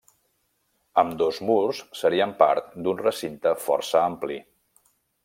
Ambdós murs serien part d'un recinte força ampli.